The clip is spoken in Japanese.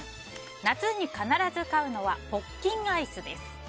夏に必ず買うのはポッキンアイスです。